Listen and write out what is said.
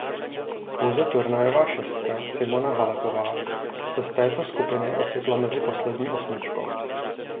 Pouze turnajová šestka Simona Halepová se z této skupiny ocitla mezi poslední osmičkou.